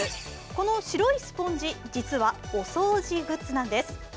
この白いスポンジ、実はお掃除グッズなんです。